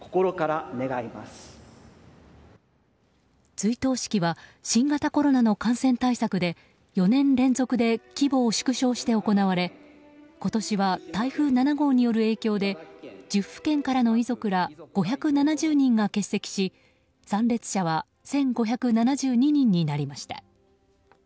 追悼式は新型コロナの感染対策で４年連続で規模を縮小して行われ今年は台風７号による影響で１０府県からの遺族ら５７０人が欠席し参列者は１５７２人になりました。